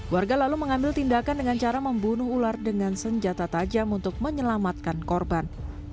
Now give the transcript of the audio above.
warga lalu mengambil tindakan dengan cara membunuh ular dengan senjata tajam untuk menyelamatkan korban